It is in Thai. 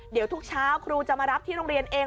เดี๋ยวทุกเช้าครูจะมารับที่โรงเรียนเอง